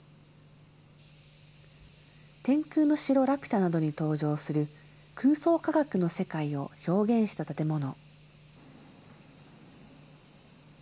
天空の城ラピュタなどに登場する、空想科学の世界を表現した建物。